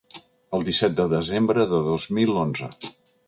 El disset de desembre de dos mil onze.